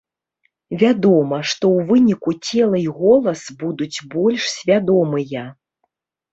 Вядома, што ў выніку цела і голас будуць больш свядомыя.